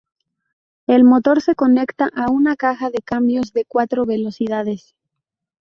El motor se conecta a una caja de cambios de cuatro velocidades.